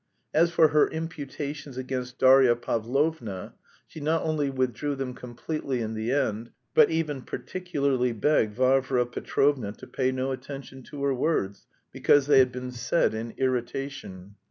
As for her imputations against Darya Pavlovna, she not only withdrew them completely in the end, but even particularly begged Varvara Petrovna to pay no attention to her words, because "they had been said in irritation."